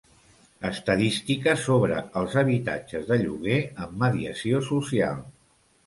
Estadística sobre els habitatges de lloguer amb mediació social.